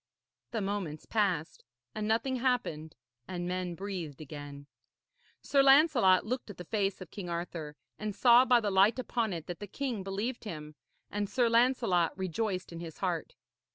The moments passed and nothing happened, and men breathed again. Sir Lancelot looked at the face of King Arthur, and saw by the light upon it that the king believed him; and Sir Lancelot rejoiced in his heart.